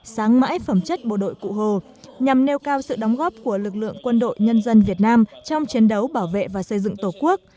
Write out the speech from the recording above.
sáng mãi phẩm chất bộ đội cụ hồ nhằm nêu cao sự đóng góp của lực lượng quân đội nhân dân việt nam trong chiến đấu bảo vệ và xây dựng tổ quốc